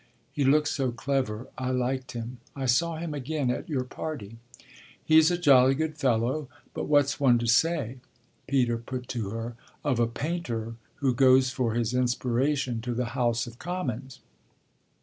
"He looked so clever I liked him. I saw him again at your party." "He's a jolly good fellow; but what's one to say," Peter put to her, "of a painter who goes for his inspiration to the House of Commons?"